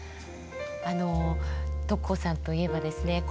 あの徳穂さんといえばですね